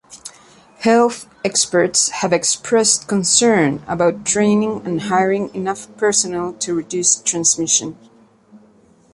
Health experts have expressed concerns about training and hiring enough personnel to reduce transmission.